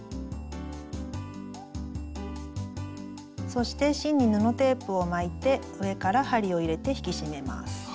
そして芯に布テープを巻いて上から針を入れて引き締めます。